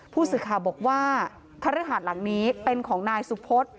ผู้ศึกษาบอกว่าทะเลฮาดหลังนี้เป็นของนายสุพฤษ